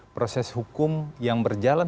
proses hukum yang berjalan